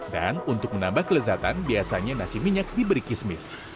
dan untuk menambah kelezatan biasanya nasi minyak diberi kismis